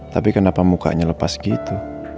tapi kenapa mukanya lepas gitu